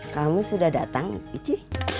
kamu sudah datang ici